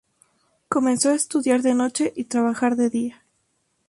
Comenzó a estudiar de noche y trabajar de día.